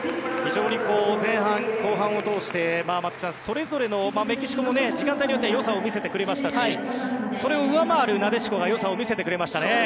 非常に前半後半を通してメキシコもそれぞれのよさを見せてくれましたしそれを上回るなでしこがよさを見せてくれましたね。